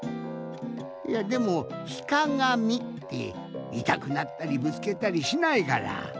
いやでも「ひかがみ」っていたくなったりぶつけたりしないから。